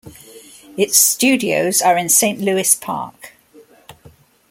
Its studios are in Saint Louis Park.